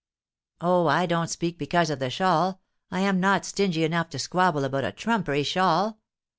"Oh, I don't speak because of the shawl; I am not stingy enough to squabble about a trumpery shawl.